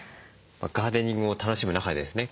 ガーデニングを楽しむ中でですね